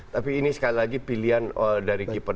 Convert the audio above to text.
tapi ini sekali lagi pilihan dari keeper